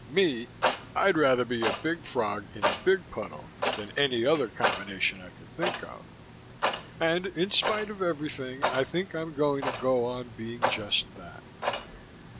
Me, I'd rather be a big frog in a big puddle than any other combination I can think of, and in spite of everything I think I'm going to go on being just that.